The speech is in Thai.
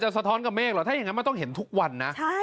สะท้อนกับเมฆเหรอถ้าอย่างนั้นมันต้องเห็นทุกวันนะ